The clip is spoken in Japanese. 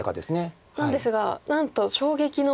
なんですがなんと衝撃の。